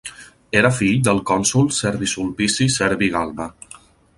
Era fill del cònsol Servi Sulpici Servi Galba.